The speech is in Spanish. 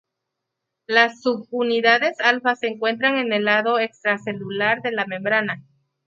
Las subunidades alfa se encuentran en el lado extracelular de la membrana.